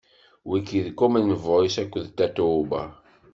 wigi d Common Voice akked Tatoeba.